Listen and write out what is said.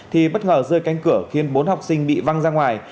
thì bất ngờ rơi cánh cửa khiến bốn học sinh bị văng ra ngoài